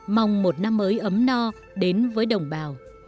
mong một năm mới ấm no đến với đồng bào